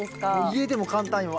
家でも簡単よ。